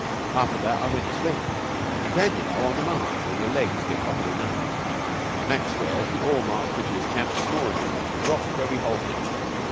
After that I went to sleep. You can, you know, on the march, when your legs get properly numbed. Mac swears we all marched into his camp snoring and dropped where we halted.